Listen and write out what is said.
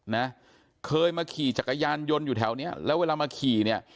นะเคยมาขี่จักรยานยนต์อยู่แถวเนี้ยแล้วเวลามาขี่เนี่ย